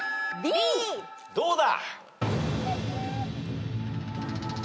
どうだ？